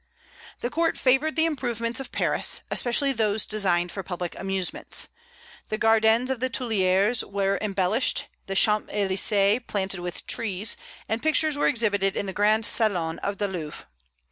The court favored the improvements of Paris, especially those designed for public amusements. The gardens of the Tuileries were embellished, the Champs Elysées planted with trees, and pictures were exhibited in the grand salon of the Louvre.